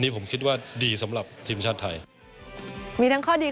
ผมคิดว่าดีสำหรับทีมชาติไทยมีทั้งข้อดี